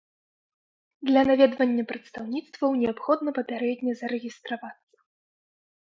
Для наведвання прадстаўніцтваў неабходна папярэдне зарэгістравацца.